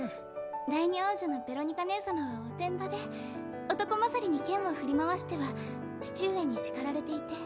第二王女のベロニカ姉様はおてんばで男勝りに剣を振り回しては父上に叱られていて。